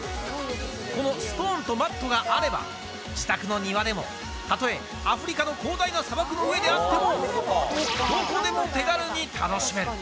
このストーンとマットがあれば、自宅の庭でも、たとえアフリカの広大な砂漠の上であっても、どこでも手軽に楽しめる。